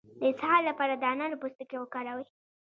د اسهال لپاره د انارو پوستکی وکاروئ